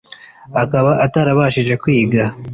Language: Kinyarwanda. akaba atarabashije kwiga